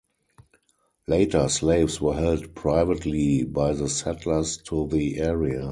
Later slaves were held privately by the settlers to the area.